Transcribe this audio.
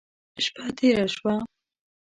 شپه تېره شوه.